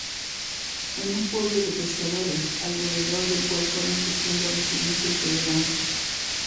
Es un pueblo de pescadores, alrededor del cual fueron surgiendo residencias de veraneo.